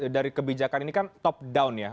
dari kebijakan ini kan top down ya